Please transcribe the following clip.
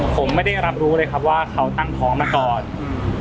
ผมไม่ได้รับรู้เลยครับว่าเขาตั้งท้องมาก่อนอืม